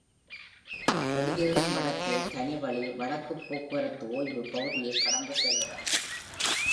வெளியேறும் வடக்கே, தனிவழி வடக்குப் போக்குவரத்துக்கு ஓய்வு பகுதியை கடந்து செல்கிறது.